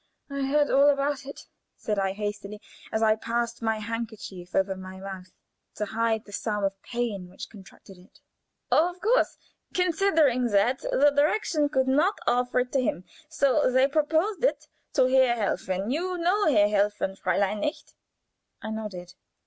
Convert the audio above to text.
"Oh, yes! I know all about it," said I, hastily, as I passed my handkerchief over my mouth to hide the spasm of pain which contracted it. "Of course, considering all that, the Direktion could not offer it to him, so they proposed it to Herr Helfen you know Herr Helfen, Fräulein, nicht?" I nodded.